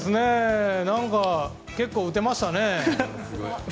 結構、打てましたね。